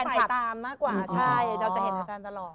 เลี่ยงทรานะกว่าใช่ไหมค่ะเจ้าจะเห็นแปลงตลอด